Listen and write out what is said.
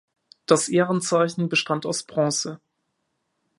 Das Ehrenzeichen bestand aus Bronze.